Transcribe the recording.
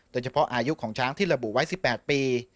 โดยเฉพาะอายุของช้างที่ระบุไว้๑๘ปี